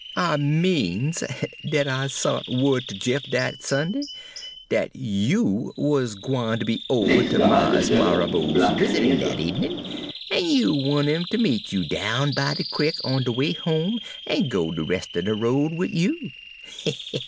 I means dat I sont wo'd ter Jeff dat Sunday dat you wuz gwine ter be ober ter Mars' Marrabo's visitin' dat ebenin', en you want 'im ter meet you down by de crick on de way home en go de rest er de road wid you.